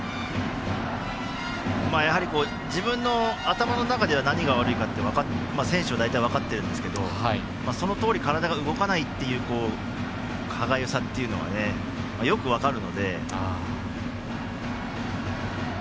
やはり、自分の頭の中では何が悪いかって選手は大体分かっているんですけどそのとおり、体が動かないっていう歯がゆさっていうのはよく分かるので。